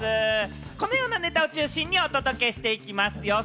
このようなネタを中心にお届けしていきますよ。